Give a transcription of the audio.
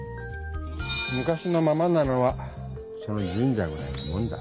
昔のままなのはその神社ぐらいなもんだ。